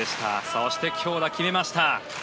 そして強打、決めました。